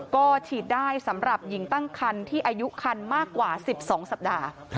ก็ฉีดได้สำหรับหญิงตั้งคันที่อายุคันมากกว่า๑๒สัปดาห์